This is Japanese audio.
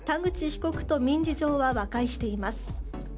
被告と民事上は和解しています。